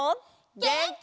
げんき！